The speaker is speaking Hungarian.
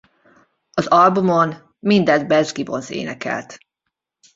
Az albumon mindent Beth Gibbons énekelt.